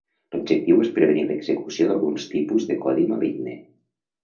L'objectiu és prevenir l'execució d'alguns tipus de codi maligne.